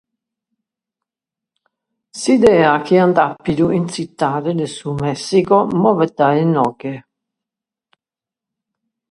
S'idea chi ant àpidu in Tzitade de su Mèssicu movet dae inoghe.